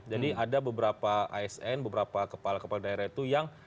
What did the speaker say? jadi ada beberapa asn beberapa kepala kepala daerah itu yang